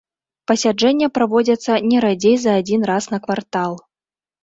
Пасяджэння праводзяцца не радзей за адзін раз на квартал.